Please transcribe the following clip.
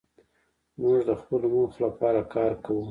موږ د خپلو موخو لپاره کار کوو.